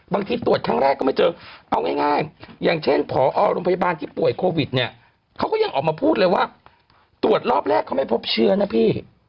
ตรวจครั้งแรกก็ไม่เจอเอาง่ายอย่างเช่นผอโรงพยาบาลที่ป่วยโควิดเนี่ยเขาก็ยังออกมาพูดเลยว่าตรวจรอบแรกเขาไม่พบเชื้อนะพี่